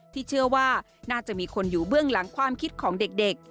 ที่เชื่อว่าน่าจะมีคนอยู่เบื้องหลังความคิดของเด็ก